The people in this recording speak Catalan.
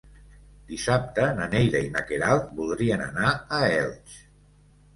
Dissabte na Neida i na Queralt voldrien anar a Elx.